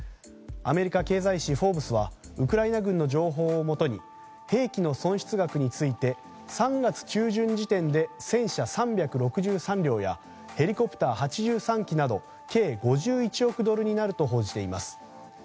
アメリカ経済誌「フォーブス」はウクライナ軍の情報をもとに兵器の損失額について３月中旬時点で戦車３６３両やヘリコプター８３機など計５１億ドルになると報じています。